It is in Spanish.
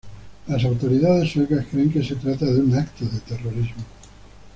Las autoridades suecas creen que se trata de un acto de terrorismo.